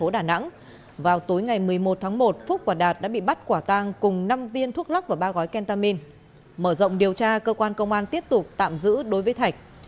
điều tra cơ quan công an tiếp tục tạm giữ đối với thạch